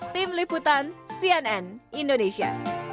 tim liputan cnn indonesia